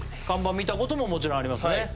看板見たことももちろんありますね